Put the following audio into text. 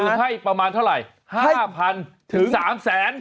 คือให้ประมาณเท่าไหร่๕๐๐๐ถึง๓แสน